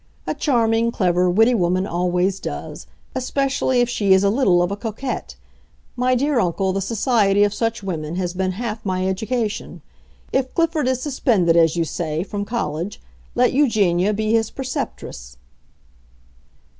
A charming, clever, witty woman always does—especially if she is a little of a coquette. My dear uncle, the society of such women has been half my education. If Clifford is suspended, as you say, from college, let Eugenia be his preceptress."